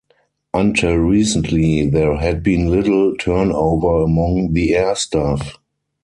Until recently there had been little turnover among the air staff.